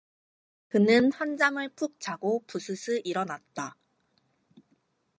그는 한잠을 푹 자고 부스스 일어났다.